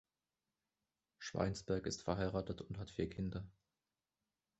Schweinsberg ist verheiratet und hat vier Kinder.